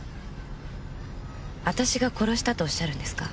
私が殺したとおっしゃるんですか？